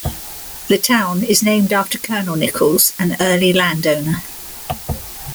The town is named after Colonel Nichols, an early landowner.